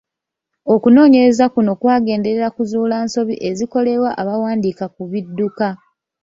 Okunoonyereza kuno kwagenderera kuzuula nsobi ezikolebwa abawandiika ku bidduka.